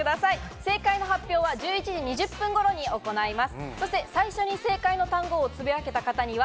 正解の発表は１１時２０分頃に行います。